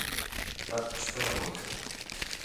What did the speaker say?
علت پوښتنه وکړه.